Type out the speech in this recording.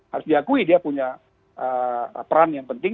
harus diakui dia punya peran yang penting